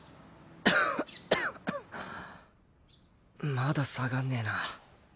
まだ下がんねえな。